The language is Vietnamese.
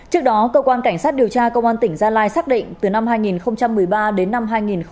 trước đó cơ quan cảnh sát điều tra công an tỉnh gia lai xác định từ năm hai nghìn một mươi ba đến năm hai nghìn một mươi bảy